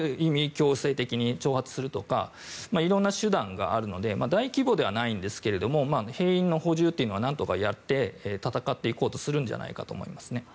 強制的にするとかいろんな手段があるので大規模ではないんですが兵員の補充というのは何とかやって戦っていこうとするんじゃないかと思います。